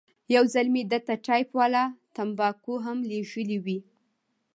یو ځل مې ده ته پایپ والا تنباکو هم لېږلې وې.